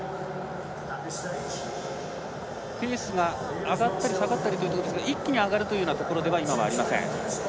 ペースが上がったり下がったりということですが一気に上がるというところでは今はありません。